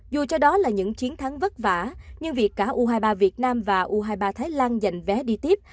dù cho đó là những chiến thắng vất vả nhưng việc cả u hai mươi ba việt nam và u hai mươi ba thái lan giành vé đi tiếp